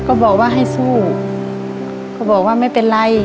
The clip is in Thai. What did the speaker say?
ก็บอกว่าให้สู้ก็บอกว่าไม่เป็นไร